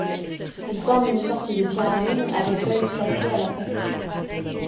Ils forment une sorte de pyramide, avec l’œil placé à l'apex.